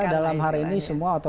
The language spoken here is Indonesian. saya dalam hari ini semua otomatis